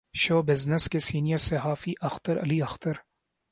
شو business کے senior صحافی اختر علی اختر